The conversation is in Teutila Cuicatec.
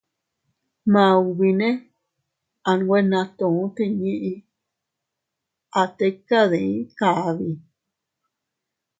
Maubine a nwe natu tinni, a tika dii kabi.